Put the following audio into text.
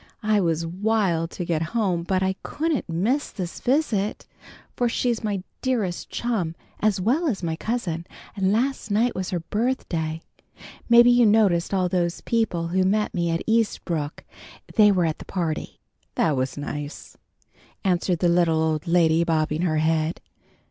I was wild to get home, but I couldn't miss this visit, for she's my dearest chum as well as my cousin, and last night was her birthday. Maybe you noticed all those people who met me at Eastbrook. They were at the party." "That was nice," answered the little old lady, bobbing her head.